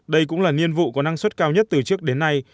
đây cũng là niên vụ có năng suất cao nhất từ trước đến nay